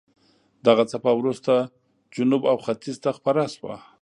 دغه څپه وروسته جنوب او ختیځ ته خپره شوه.